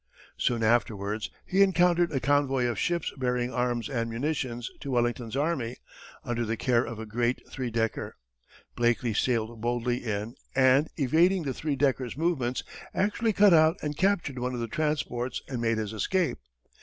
Soon afterwards, he encountered a convoy of ships bearing arms and munitions to Wellington's army, under the care of a great three decker. Blakeley sailed boldly in, and, evading the three decker's movements, actually cut out and captured one of the transports and made his escape.